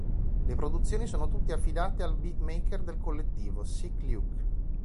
Le produzioni sono tutte affidate al beatmaker del collettivo, Sick Luke.